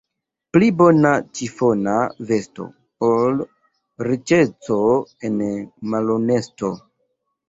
Pli bona ĉifona vesto, ol riĉeco en malhonesto.